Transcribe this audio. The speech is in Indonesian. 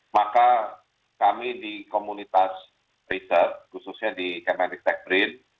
maka kami di komunitas riset khususnya di chem medic techbrain